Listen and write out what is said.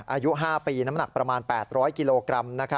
อายุ๕ปีน้ำหนักประมาณ๘๐๐กิโลกรัม